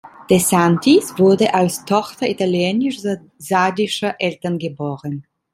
De Santis wurde als Tochter italienisch-sardischer Eltern geboren.